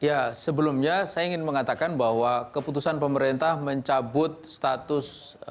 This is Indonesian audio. ya sebelumnya saya ingin mengatakan bahwa keputusan pemerintah mencabut status